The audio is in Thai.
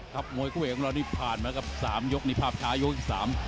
ครับมวยกับเรานี่พาดมากับสามยกนี่ภาพช้ายกสาม